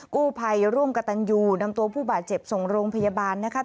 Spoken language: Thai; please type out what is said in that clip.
กู้ภัยร่วมกับตันยูนำตัวผู้บาดเจ็บส่งโรงพยาบาลนะคะ